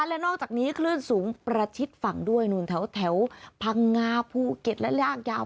และนอกจากนี้คลื่นสูงประชิดฝั่งด้วยนู่นแถวพังงาภูเก็ตและลากยาว